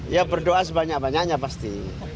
ya berdoa sebanyak banyaknya pasti